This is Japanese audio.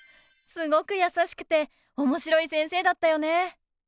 すごく優しくておもしろい先生だったよね。